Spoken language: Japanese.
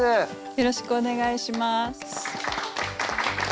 よろしくお願いします。